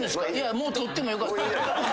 もう撮ってもよかった。